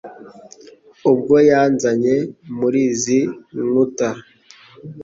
ubwo yanzanye muri izi nkuta